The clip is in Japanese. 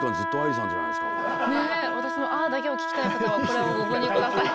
これねえ私の「あー」だけを聴きたい方はこれをご購入下さい。